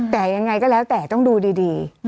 แต่ยังไงก็แล้วแต่ต้องดูดี